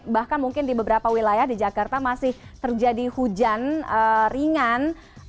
bahkan mungkin di beberapa wilayah di jakarta masih terjadi hujan ringan